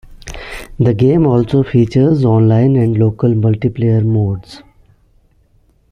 The game also features online and local multiplayer modes.